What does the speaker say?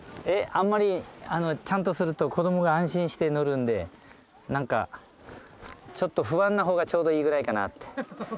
あんまりちゃんとすると子どもが安心して乗るのでなんかちょっと不安なほうがちょうどいいぐらいかなって。